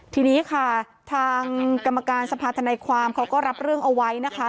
ทีนี้ค่ะทางกรรมการสภาธนายความเขาก็รับเรื่องเอาไว้นะคะ